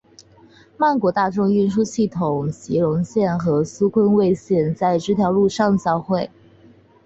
曼谷大众运输系统席隆线和苏坤蔚线在这条路交会。